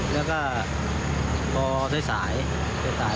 แล้วก็พอใส่สาย